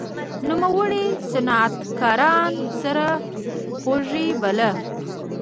نوموړي صنعتکاران سرخوږی باله.